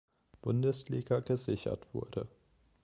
Bundesliga gesichert wurde.